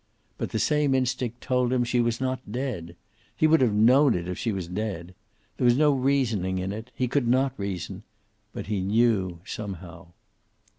But the same instinct told him she was not dead. He would have known it if she was dead. There was no reasoning in it. He could not reason. But he knew, somehow.